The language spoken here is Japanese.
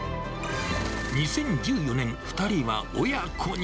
２０１４年、２人は親子に。